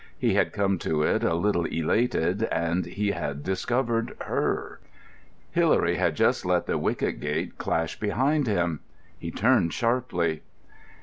He had come to it a little elated, and he had discovered her. "Good evening, Captain Blake." Hilary had just let the wicket gate clash behind him. He turned sharply.